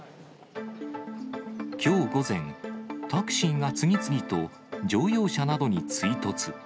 きょう午前、タクシーが次々と乗用車などに追突。